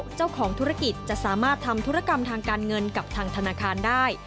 เจ้าของธุรกิจจะสามารถทำธุรกรรมทางการเงินกับทางธนาคารได้